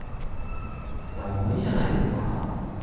もう無理じゃないですか？